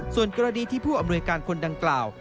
ส่วนกรณีที่ผู้อำนวยการคนดังกล่าว